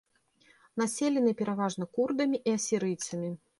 Населены пераважна курдамі і асірыйцамі.